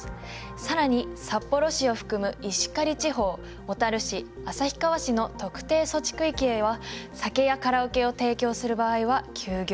更に札幌市を含む石狩地方小樽市旭川市の特定措置区域へは酒やカラオケを提供する場合は休業。